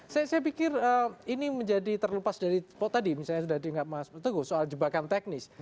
saya pikir ini menjadi terlepas dari tadi misalnya sudah diingat mas teguh soal jebakan teknis